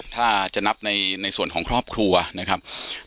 ถ้าจะนับในส่วนของครอบครัวนะครับ